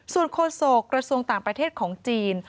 ส่วนโฆษกระทรวงต่างประเทศของจีน